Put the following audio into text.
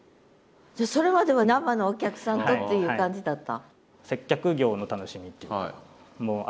じゃあそれまでは生のお客さんとっていう感じだった？